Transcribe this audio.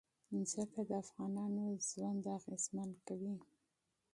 ځمکه د افغانانو ژوند اغېزمن کوي.